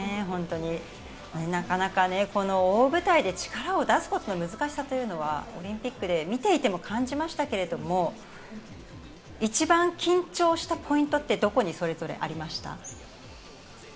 なかなかこの大舞台で力を出すことの難しさというのはオリンピックで見ていても感じましたけど、一番緊張したポイントってどこにそれぞれありました？